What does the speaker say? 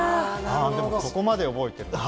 でもそこまで覚えてるんです